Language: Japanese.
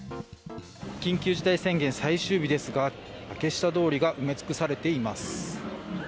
緊急事態宣言最終日ですが竹下通りが埋め尽くされています。